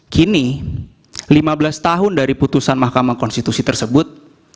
kini lima belas tahun dari putusan mahkamah konstitusi tersebut